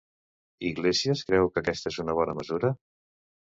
Iglesias creu que aquesta és una bona mesura?